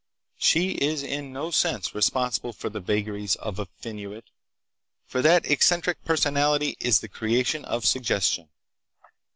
"She is in no sense responsible for the vagaries of a Phinuit, for that eccentric personality is the creation of suggestion.